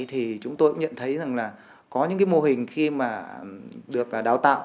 thì chúng tôi cũng nhận thấy rằng là có những cái mô hình khi mà được đào tạo